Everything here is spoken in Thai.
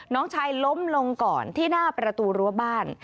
น้องชายล้มลงก่อนที่หน้าประตูรั้วบ้าน